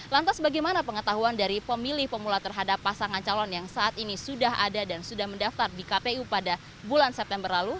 lantas bagaimana pengetahuan dari pemilih pemula terhadap pasangan calon yang saat ini sudah ada dan sudah mendaftar di kpu pada bulan september lalu